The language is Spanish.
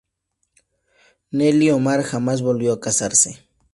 Nelly Omar jamás volvió a casarse.